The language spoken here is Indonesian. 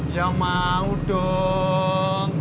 ya mau dong